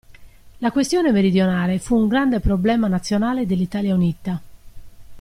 La questione meridionale fu un grande problema nazionale dell'Italia unita.